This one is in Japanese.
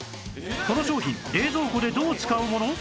この商品冷蔵庫でどう使うもの？